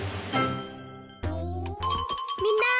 みんな！